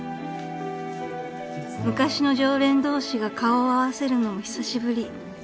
［昔の常連同士が顔を合わせるのも久しぶり］